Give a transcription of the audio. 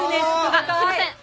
あっすいません！